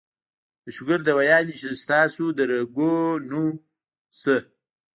د شوګر دوايانې چې ستاسو د رګونو نه